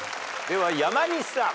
では山西さん。